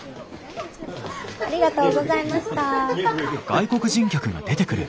ありがとうございます。